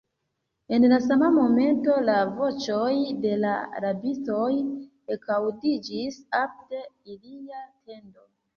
En la sama momento la voĉoj de la rabistoj ekaŭdiĝis apud ilia tendo.